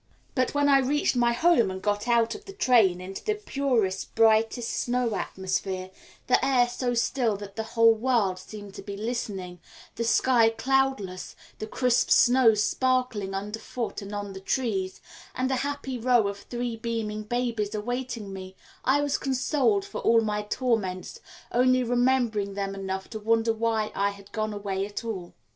But when I reached my home and got out of the train into the purest, brightest snow atmosphere, the air so still that the whole world seemed to be listening, the sky cloudless, the crisp snow sparkling underfoot and on the trees, and a happy row of three beaming babies awaiting me, I was consoled for all my torments, only remembering them enough to wonder why I had gone away at all.